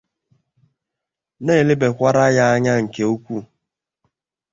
na-elebakwara ya anya nke ukwu